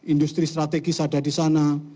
industri strategis ada di sana